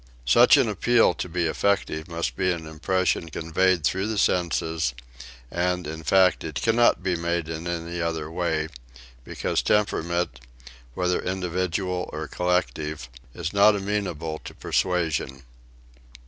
Such an appeal to be effective must be an impression conveyed through the senses; and, in fact, it cannot be made in any other way, because temperament, whether individual or collective, is not amenable to persuasion.